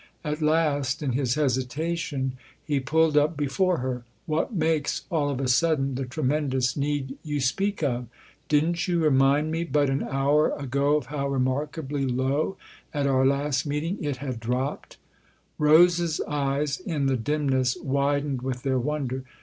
At last, in his hesitation, he pulled up before her. " What makes, all of a sudden, the tremendous need you speak of? Didn't you remind me but an hour ago of how remarkably low, at our last meeting, it had dropped ?" Rose's eyes, in the dimness, widened with their wonder.